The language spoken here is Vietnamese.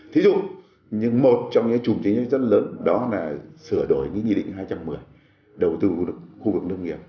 thí dụ một trong những chủng chính rất lớn đó là sửa đổi những nhị định hai trăm một mươi đầu tư khu vực nông nghiệp